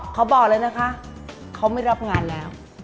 เขาบอกเลยนะคะเขาไม่รับงานแล้ว